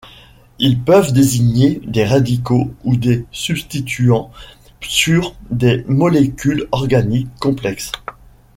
Ils peuvent désigner des radicaux ou des substituants sur des molécules organiques complexes.